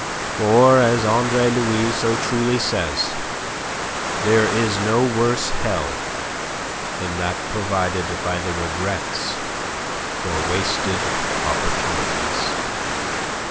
For, as Andre Louis so truly says, there is no worse hell than that provided by the regrets for wasted opportunities.